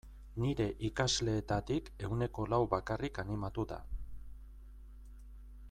Nire ikasleetatik ehuneko lau bakarrik animatu da.